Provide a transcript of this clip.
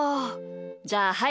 じゃあはい